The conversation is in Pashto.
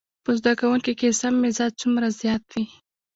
په زده کوونکي کې سم مزاج څومره زيات وي.